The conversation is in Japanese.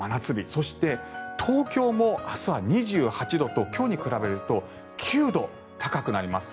そして、東京も明日は２８度と今日に比べると９度高くなります。